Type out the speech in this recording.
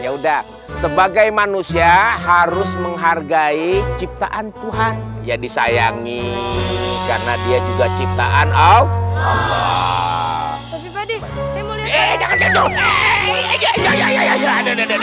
ya udah sebagai manusia harus menghargai ciptaan tuhan yang disayangi karena dia juga ciptaan allah